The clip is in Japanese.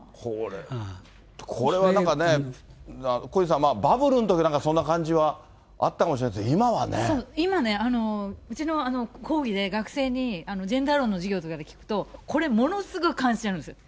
これはなんかね、小西さん、バブルのときなんかはそんな感じはあったかもしれないけど、今は今ね、うちの講義で、学生にジェンダー論の講義とか聞くと、これものすごく関心あるんですよ。